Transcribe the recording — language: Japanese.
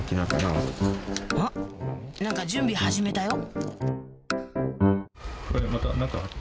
何か準備始めたよ